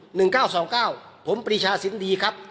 หนึ่งเก้าสองก้าวผลิชาศรีนดีครับ